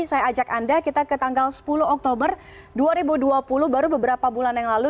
saya ajak anda kita ke tanggal sepuluh oktober dua ribu dua puluh baru beberapa bulan yang lalu